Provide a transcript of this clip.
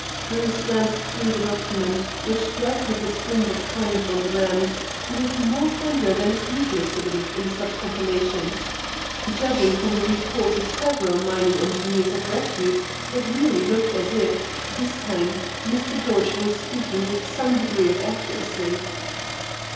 Bruce glanced through the document, which dealt with the Springbok claims on the Rand with more candor than is usually exhibited in such compilations. Judging from the reports of several mining engineers of repute it really looked as if, this time, Mr. Dodge were speaking with some degree of accuracy.